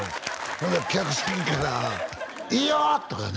ほんで客席からいいよとかね